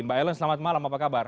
mbak ellen selamat malam apa kabar